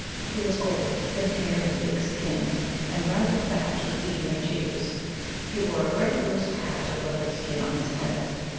He was old, thin haired and thick skinned, and rather fat with eating of cheese; he wore a great loose hat of leopard skin on his head.